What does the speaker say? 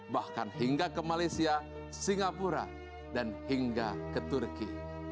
bahkan hingga ke malaysia singapura dan hingga ke turki